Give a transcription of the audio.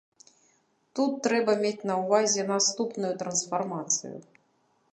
Тут трэба мець на ўвазе наступную трансфармацыю.